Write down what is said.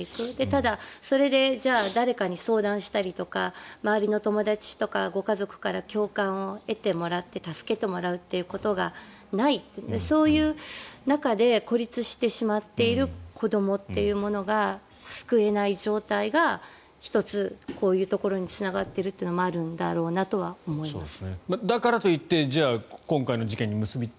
ただ、それで誰かに相談したりとか周りの友達とかご家族から共感を得てもらって助けてもらうということがないそういう中で孤立してしまっている子どもっていうものが救えない状態が１つこういうところにつながっているのもあるんだと思います。